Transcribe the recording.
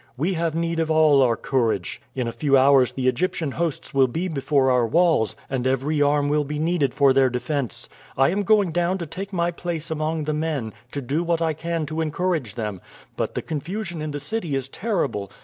We have need of all our courage. In a few hours the Egyptian hosts will be before our walls, and every arm will be needed for their defense. I am going down to take my place among the men, to do what I can to encourage them; but the confusion in the city is terrible.